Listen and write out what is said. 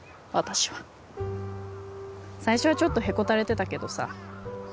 私は最初はちょっとへこたれてたけどさ